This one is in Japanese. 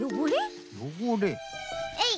えい！